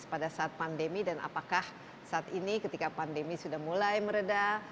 pada saat pandemi dan apakah saat ini ketika pandemi sudah mulai meredah